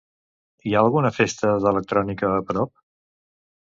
Hi ha alguna festa d'electrònica a prop?